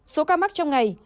số ca mắc trong ngày